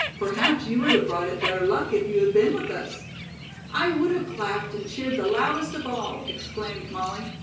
Perhaps you would have brought it better luck if you had been with us." "I would have clapped and cheered the loudest of all," exclaimed Molly.